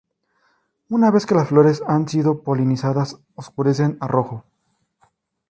Una vez que las flores han sido polinizadas, oscurecen a rojo.